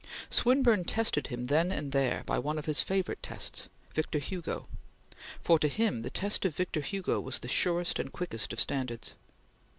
Swinburne tested him then and there by one of his favorite tests Victor Hugo for to him the test of Victor Hugo was the surest and quickest of standards.